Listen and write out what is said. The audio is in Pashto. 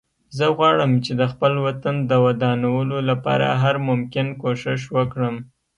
زه غواړم چې د خپل وطن د ودانولو لپاره هر ممکن کوښښ وکړم